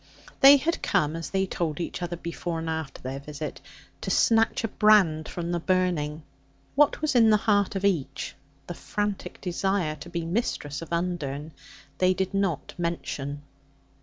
They had come, as they told each other before and after their visit, to snatch a brand from the burning. What was in the heart of each the frantic desire to be mistress of Undern they did not mention.